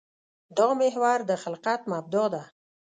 دا محور د خلقت مبدا ده.